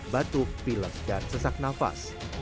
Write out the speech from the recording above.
batuk pilas dan sesak nafas